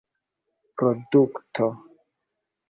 produkto